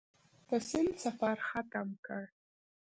د سیند سفر ختم کړ.